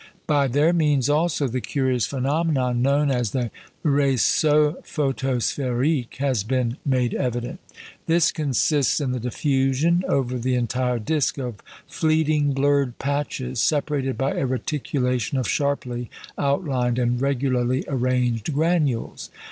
By their means, also, the curious phenomenon known as the réseau photosphérique has been made evident. This consists in the diffusion over the entire disc of fleeting blurred patches, separated by a reticulation of sharply outlined and regularly arranged granules.